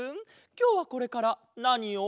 きょうはこれからなにを？